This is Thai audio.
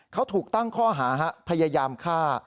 เขาถูกตั้งข้อหาพยายามฆ่า